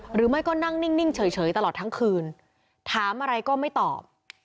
หรือไม่ก็นั่งนิ่งเฉยตลอดทั้งคืนถามอะไรก็ไม่ตอบ